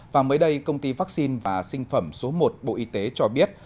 và mới đây công ty vaccine và sinh phẩm số một bộ y tế cho biết